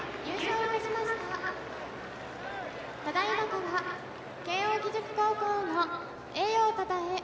ただいまから慶応義塾高校の栄誉をたたえ